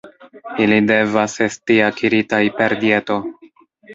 Ili devas esti akiritaj per dieto.